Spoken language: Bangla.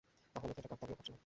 তাহলে তো এটা কাকতালীয় ঘটনা।